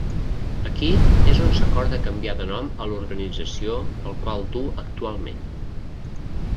Aquí és on s'acorda canviar de nom a l'organització pel qual duu actualment.